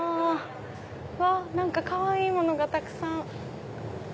うわっ何かかわいいものがたくさん。